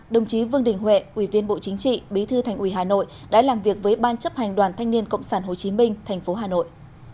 đồng chí vương đình huệ ủy viên bộ chính trị bí thư thành ủy hà nội đã làm việc với ban chấp hành đoàn thanh niên cộng sản hồ chí minh thành phố hà nội